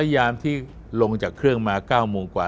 ยามที่ลงจากเครื่องมา๙โมงกว่า